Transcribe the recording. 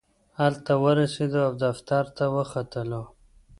هلته ورسېدو او دفتر ته ورختلو.